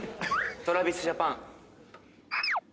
ＴｒａｖｉｓＪａｐａｎ。